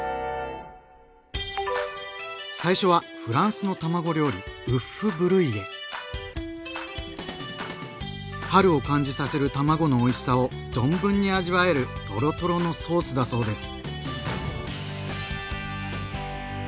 最初はフランスの卵料理春を感じさせる卵のおいしさを存分に味わえるトロトロのソースだそうです。